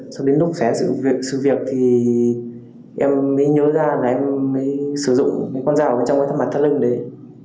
sau đến lúc xé sự việc thì em mới nhớ ra là em mới sử dụng con dao ở bên trong với thân mặt thân lưng đấy